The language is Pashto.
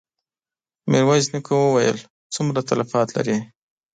ميرويس نيکه وويل: څومره تلفات لرې؟